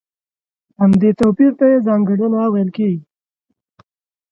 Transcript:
همدې توپير ته يې ځانګړنه ويل کېږي.